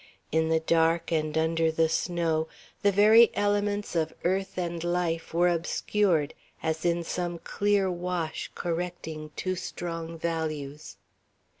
In the dark and under the snow the very elements of earth and life were obscured, as in some clear wash correcting too strong values.